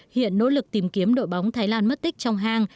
hiện nỗ lực tìm kiếm đội bóng thái lan mất tích trong hang